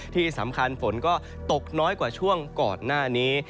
ที่สำคัญฝนก็ตกน้อยกว่าช่วงก่อนหน้านี้